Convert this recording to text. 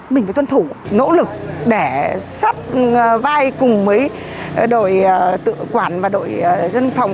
mình phải tuân thủ nỗ lực để sắp vai cùng với đội tự quản và đội dân phòng